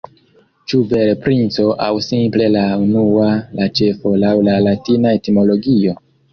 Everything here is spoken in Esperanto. Ĉu vere princo, aŭ simple la unua, la ĉefo, laŭ la latina etimologio?